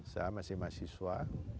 saya masih mahasiswa